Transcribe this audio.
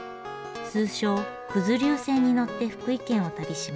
通称九頭竜線に乗って福井県を旅します。